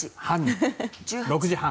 ６時半？